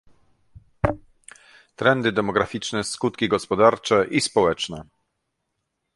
Trendy demograficzne - Skutki gospodarcze i społeczne